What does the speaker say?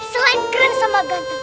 selain keren sama ganteng